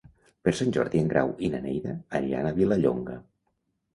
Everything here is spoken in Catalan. Per Sant Jordi en Grau i na Neida aniran a Vilallonga.